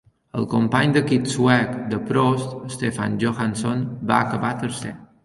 El company d'equip suec de Prost, Stefan Johansson va acabar tercer.